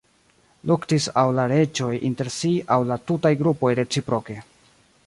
Luktis aŭ la reĝoj inter si aŭ la tutaj grupoj reciproke.